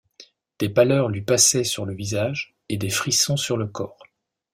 Des pâleurs lui passaient sur le visage et des frissons sur le corps.